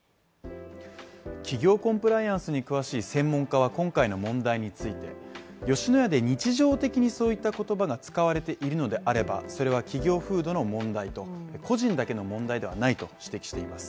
企業コンプライアンスに詳しい専門家は今回の問題について、吉野家で日常的にそういった言葉が使われているのであれば、それは企業風土の問題と個人だけの問題ではないと指摘しています